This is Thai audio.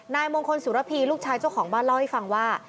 นายมงคลสุรพีลูกชายเจ้าของบ้านเล่าให้ฟังว่า